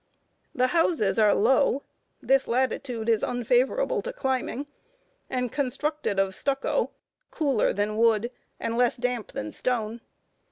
The houses are low this latitude is unfavorable to climbing and constructed of stucco, cooler than wood, and less damp than stone.